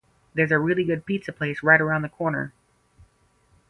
There's a really good pizza place right around the corner.